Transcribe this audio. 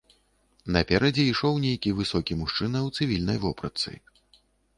Наперадзе ішоў нейкі высокі мужчына ў цывільнай вопратцы.